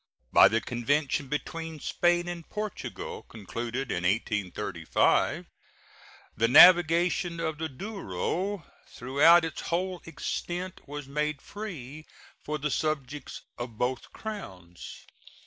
By the convention between Spain and Portugal concluded in 1835 the navigation of the Douro throughout its whole extent was made free for the subjects of both Crowns.